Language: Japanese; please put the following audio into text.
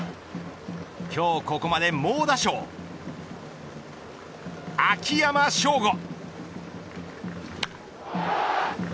今日ここまで猛打賞秋山翔吾。